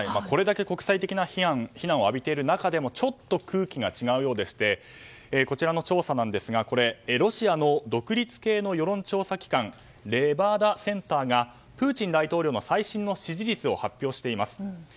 これだけ国際的な非難を浴びている中でもちょっと空気が違うようでしてこちら、ロシアの独立系の世論調査機関レバダ・センターがプーチン大統領の最新の支持率を発表しています。